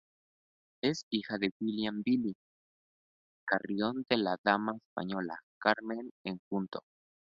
Es hija de William "Billy" Carrión y de la dama española Carmen Enjuto.